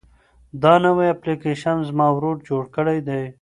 دا نوی اپلیکیشن زما ورور جوړ کړی دی.